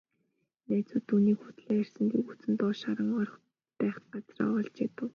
Найзууд нь түүнийг худлаа ярьсанд эвгүйцэн доош харан орох байх газраа олж ядав.